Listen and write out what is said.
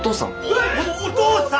お父さん。